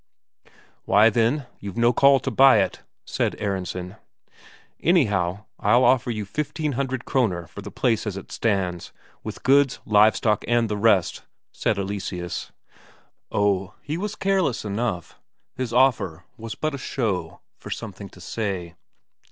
"Why, then, you've no call to buy it," said Aronsen. "Anyhow, I'll offer you fifteen hundred Kroner for the place as it stands, with goods, live stock, and the rest," said Eleseus. Oh, he was careless, enough; his offer was but a show, for something to say.